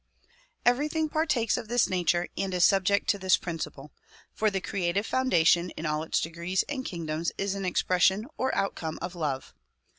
Everything partakes of this nature and is subject to this principle, for the creative foundation in all its degrees and kingdoms is an expression or outcome of love.